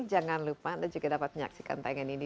jangan lupa anda juga dapat menyaksikan tayangan ini